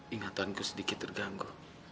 ingatanku sedikit terganggu